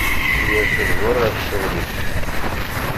Yers lbuṛ ɣef cceɣl is.